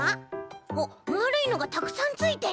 おっまるいのがたくさんついてる。